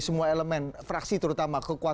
semua elemen fraksi terutama